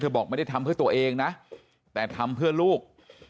บอกไม่ได้ทำเพื่อตัวเองนะแต่ทำเพื่อลูก